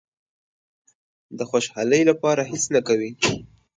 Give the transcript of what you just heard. د خوشالۍ لپاره هېڅ نه کوي.